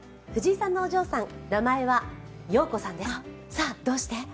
さあ、どうして？